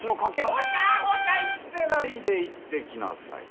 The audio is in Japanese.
ゴチャゴチャ言ってないで行ってきなさい。